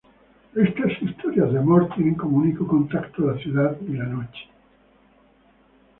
Estas historias de amor, tienen como único contacto la ciudad y la noche.